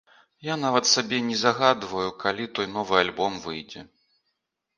Я нават сабе не загадваю, калі той новы альбом выйдзе.